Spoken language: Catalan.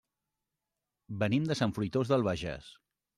Venim de Sant Fruitós de Bages.